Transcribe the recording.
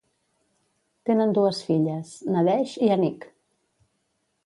Tenen dues filles, Nadege i Anik.